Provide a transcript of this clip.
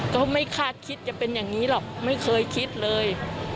ก็ไม่คาดคิดจะเป็นอย่างนี้หรอกไม่เคยคิดเลย